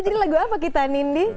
jadi lagu apa kita nindi